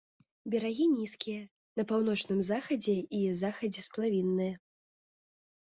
Берагі нізкія, на паўночным захадзе і захадзе сплавінныя.